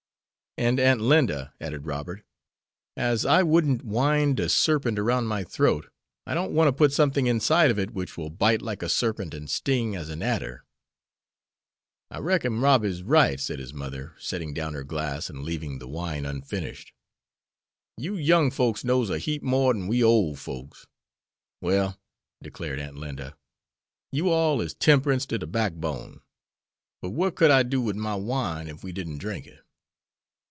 "And, Aunt Linda," added Robert, "as I wouldn't wind a serpent around my throat, I don't want to put something inside of it which will bite like a serpent and sting as an adder." "I reckon Robby's right," said his mother, setting down her glass and leaving the wine unfinished. "You young folks knows a heap more dan we ole folks." "Well," declared Aunt Linda, "you all is temp'rence to de backbone. But what could I do wid my wine ef we didn't drink it?"